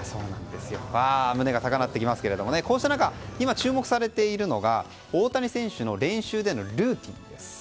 胸が高まってきますけども今、注目されているのが大谷選手での練習でのルーティンです。